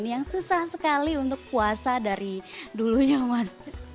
yang susah sekali untuk puasa dari dulunya mas